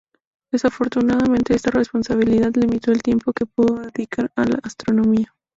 Desafortunadamente, esta responsabilidad limitó el tiempo que pudo dedicar a la astronomía.